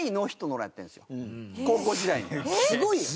すごいよね。